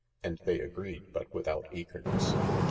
And they agreed, but without eagerness.